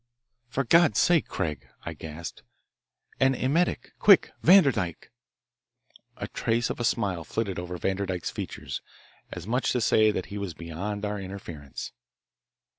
"For God's sake, Craig," I gasped. "An emetic, quick Vanderdyke." A trace of a smile flitted over Vanderdyke's features, as much as to say that he was beyond our interference.